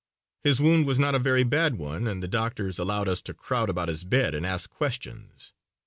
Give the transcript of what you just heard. His wound was not a very bad one and the doctors allowed us to crowd about his bed and ask questions.